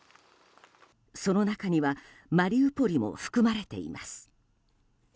その中にはマリウポリも含まれています。